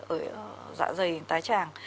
ở dạ dày tái tràng